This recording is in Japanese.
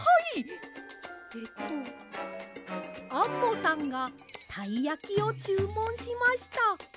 えっとアンモさんがたいやきをちゅうもんしました。